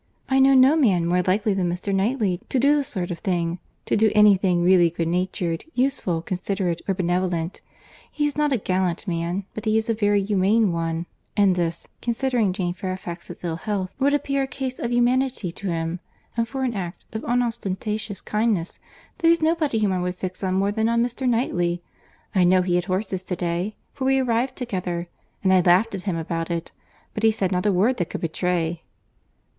I know no man more likely than Mr. Knightley to do the sort of thing—to do any thing really good natured, useful, considerate, or benevolent. He is not a gallant man, but he is a very humane one; and this, considering Jane Fairfax's ill health, would appear a case of humanity to him;—and for an act of unostentatious kindness, there is nobody whom I would fix on more than on Mr. Knightley. I know he had horses to day—for we arrived together; and I laughed at him about it, but he said not a word that could betray."